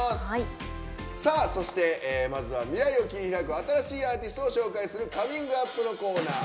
そしてまずは未来を切り開く新しいアーティストを紹介する「ＣｏｍｉｎｇＵｐ！」のコーナー。